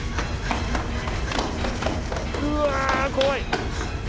うわあ怖い。